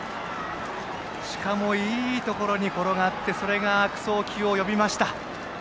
しかもいいところに転がってそれが悪送球を呼びました。